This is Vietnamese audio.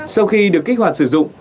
sau khi được kích hoạt sử dụng